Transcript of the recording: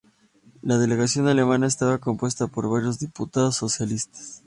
La delegación alemana estaba compuesta por varios diputados socialistas.